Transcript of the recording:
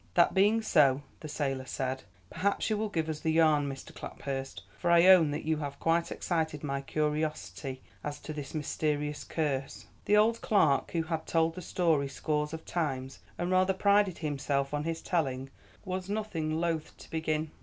"That being so," the sailor said, "perhaps you will give us the yarn, Mr. Claphurst, for I own that you have quite excited my curiosity as to this mysterious curse." The old clerk, who had told the story scores of times, and rather prided himself on his telling, was nothing loth to begin.